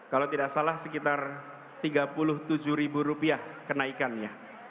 kalau tidak salah sekitar tiga puluh tujuh rupiah kenaikannya